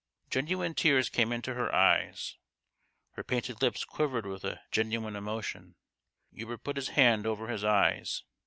Genuine tears came into her eyes ; her painted lips quivered with a genuine emotion. Hubert put his hand over his eyes.